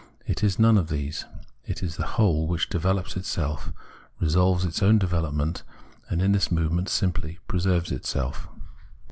It is none of these ; it is the whole which develops itself, resolves its own development, and in this movement simply preserves itself.